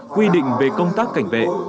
quy định về công tác cảnh vệ